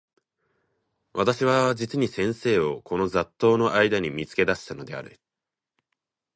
私は実に先生をこの雑沓（ざっとう）の間（あいだ）に見付け出したのである。